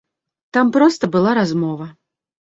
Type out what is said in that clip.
Там проста была размова.